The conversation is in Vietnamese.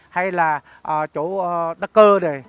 hay là chỗ đắc cơ này